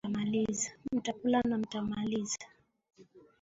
Mtakula na mtamaliza